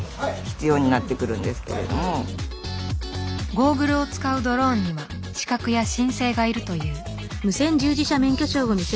ゴーグルを使うドローンには資格や申請がいるという。